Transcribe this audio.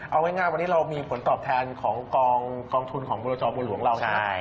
เอาง่ายวันนี้เรามีผลตอบแทนของกองทุนของบัวโลกทศพลวงเรานะครับ